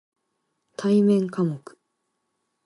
対面科目